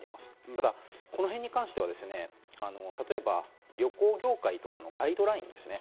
ただこのへんに関しては旅行業界とかのガイドラインですね。